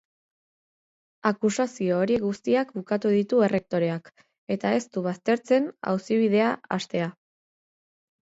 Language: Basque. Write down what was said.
Akusazio horiek guztiak ukatu ditu errektoreak eta ez du baztertzen auzibidea hastea.